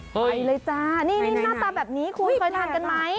ไปเลยจ้านี่หน้าตาแบบนี้คุณเคยทานกันไหม